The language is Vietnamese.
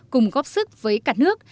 cùng góp sức với cả nước